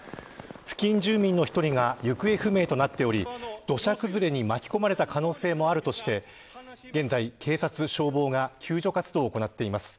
付近住民の１人が行方不明となっており土砂崩れに巻き込まれた可能性もあるとして現在、警察、消防が救助活動を行っています。